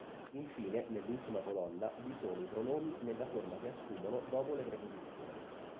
Infine, nell'ultima colonna, vi sono i pronomi nella forma che assumono dopo le preposizioni.